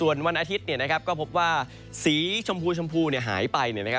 วันอาทิตย์ก็พบว่าสีชมพูหายไป